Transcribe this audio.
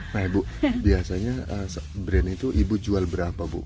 nah ibu biasanya brand itu ibu jual berapa bu